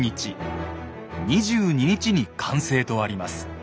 ２２日に完成とあります。